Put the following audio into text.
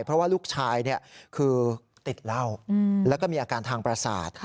เพราะว่าลูกชายคือติดเหล้าแล้วก็มีอาการทางประสาท